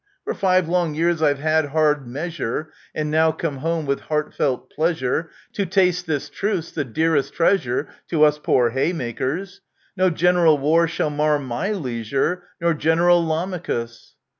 For five long years I've had hard measure,* And now come home with heartfelt pleasure To taste this truce — the dearest treasure To us poor haymakers. No general war shall mar my leisure ;— Nor General Lamachus